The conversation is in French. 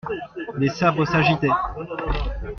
Des sabres s'agitaient.